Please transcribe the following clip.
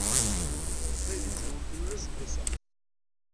Taydit-nwen tlul aseggas-a.